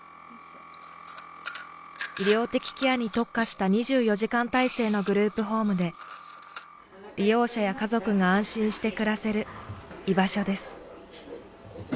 医療的ケアに特化した２４時間体制のグループホームで利用者や家族が安心して暮らせる居場所です。